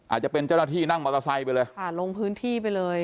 อาจจะเป็นเจ้าหน้าที่นั่งมอเตอร์ไซค์ไปเลยค่ะลงพื้นที่ไปเลย